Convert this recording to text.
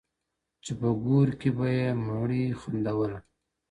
چي په ګور کي به یې مړې خندوله!